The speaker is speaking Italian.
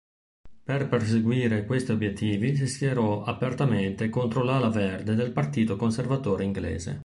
Per perseguire questi obbiettivi si schierò apertamente contro l'"ala verde" del Partito Conservatore inglese.